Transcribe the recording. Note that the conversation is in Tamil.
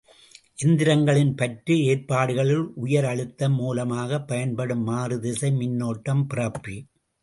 எந்திரங்களின் பற்று ஏற்பாடுகளில் உயர் அழுத்தம் மூலமாகப் பயன்படும் மாறுதிசை மின்னோட்டப் பிறப்பி.